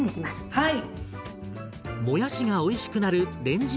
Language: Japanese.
はい。